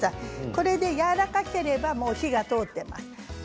それでやわらかければもう火が通っています。